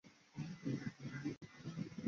具体定义要视乎场合而定。